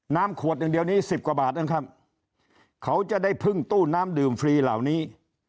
ขวดอย่างเดียวนี้สิบกว่าบาทนะครับเขาจะได้พึ่งตู้น้ำดื่มฟรีเหล่านี้